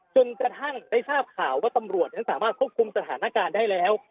จนกระทั่งได้ทราบข่าวว่าตำรวจนั้นสามารถควบคุมสถานการณ์ได้แล้ว